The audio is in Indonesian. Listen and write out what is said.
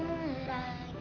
iya sama kakak juga